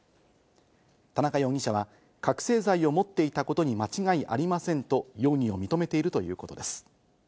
田中容疑者は覚醒剤を持っていたことに間違いありませんと容疑を認めているということです。